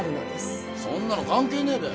そんなの関係ねえべ。